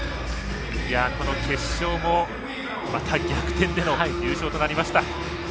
この決勝もまた逆転での優勝となりました。